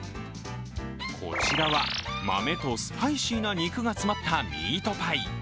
こちらは豆とスパイシーな肉が詰まったミートパイ。